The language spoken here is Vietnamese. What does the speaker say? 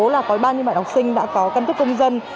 là có bao nhiêu bạn học sinh đã có căn cước công dân